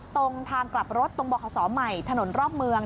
ตรงทางกลับรถตรงบขใหม่ถนนรอบเมือง